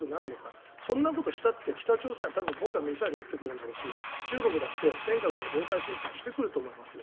北朝鮮は僕はミサイルを撃ってくるんだろうし中国だって尖閣の領海侵犯してくると思いますよ。